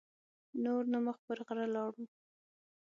نور نو مخ پر غره لاړو.